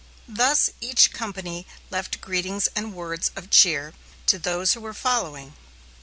Thus each company left greetings and words of cheer to those who were following.